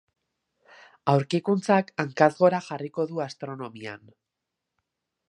Aurkikuntzak hankaz gora jarriko du astronomian.